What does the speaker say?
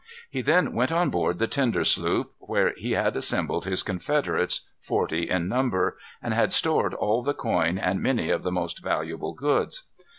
He then went on board the tender sloop, where he had assembled his confederates, forty in number, and had stored all the coin and many of the most valuable goods.